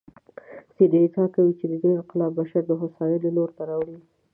ځینې ادعا کوي چې دې انقلاب بشر د هوساینې لور ته راوړ.